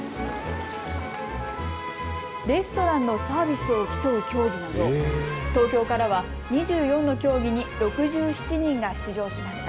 レストランのサービスを競う競技など東京からは２４の競技に６７人が出場しました。